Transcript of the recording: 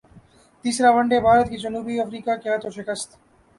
تیسرا one day Bharat کو جنوبی افریقا کے ہاتھوں شکست